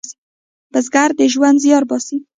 بزګر د ژوند زیار باسي